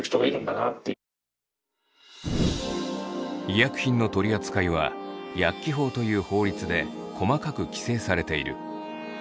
医薬品の取り扱いは「薬機法」という法律で細かく規制されている。